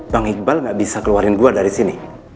bang iqbal gak bisa keluarin dua dari sini